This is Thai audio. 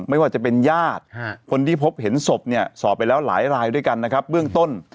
ไม่ว่าจะเป็นญาติคนที่พบเห็นศพเนี่ยสอบไปแล้วหลายรายด้วยกันนะครับเบื้องต้น